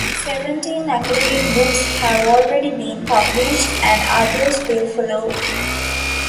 Seventeen academic books have already been published and others will follow.